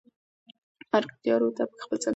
ملکیار هوتک په خپله سندره کې مینه بیانوي.